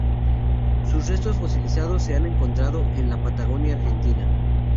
Sus restos fosilizados se han encontrado en la Patagonia Argentina.